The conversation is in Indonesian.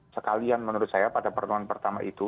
sekalian menurut saya pada pertemuan pertama itu